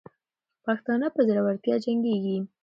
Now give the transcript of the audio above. پښتانه په زړورتیا جنګېږي.